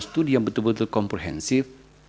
studi yang betul betul komprehensif